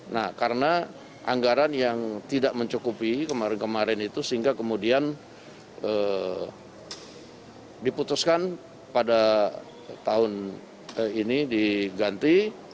nah karena anggaran yang tidak mencukupi kemarin kemarin itu sehingga kemudian diputuskan pada tahun ini diganti